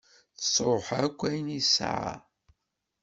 Tesruḥ akk ayen i tesεa.